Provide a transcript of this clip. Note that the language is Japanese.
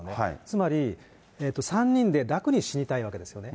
つまり、３人で楽に死にたいわけですよね。